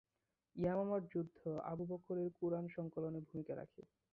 ইয়ামামার যুদ্ধ আবু বকরের কুরআন সংকলনে ভূমিকা রাখে।